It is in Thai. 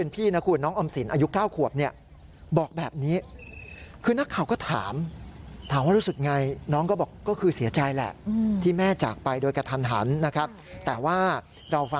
จะดูแลน้องสาวของหนูเองน้องสาวควร๗ขวบ